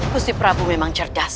gusti prabu memang cerdas